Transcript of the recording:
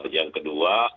yang kedua ada